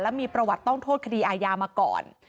มีประวัติต้องโทษคดีอาญามาก่อน